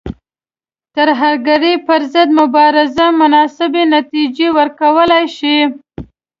ترهګرۍ پر ضد مبارزه مناسبې نتیجې ورکولای شي.